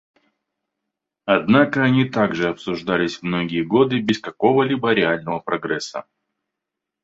Однако они также обсуждались многие годы без какого-либо реального прогресса.